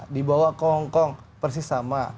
dibawa ke hongkong persis sama